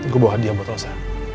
gue bawa hadiah buat elsa